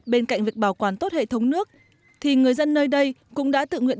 bên cạnh việc bảo quản tốt hệ thống nước thì người dân nơi đây cũng đã tự nguyện